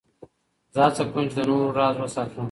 زه هڅه کوم، چي د نورو راز وساتم.